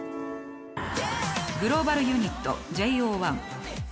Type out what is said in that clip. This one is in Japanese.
グローバルユニットＪＯ１。